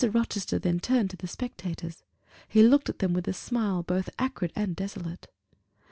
Rochester then turned to the spectators; he looked at them with a smile both acrid and desolate.